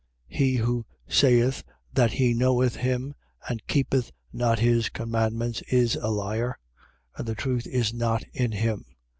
He who saith that he knoweth him and keepeth not his commandments is a liar: and the truth is not in him.